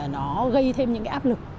nó gây thêm những cái áp lực